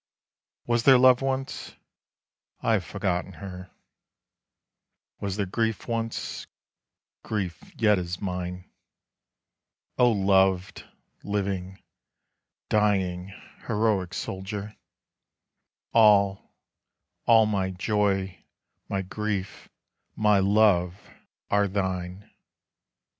Was there love once? I have forgotten her. Was there grief once? grief yet is mine. O loved, living, dying, heroic soldier, All, all, my joy, my grief, my love, are thine!